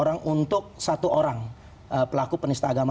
dan keadilan itu sudah diberikan oleh satu orang pelaku penista agama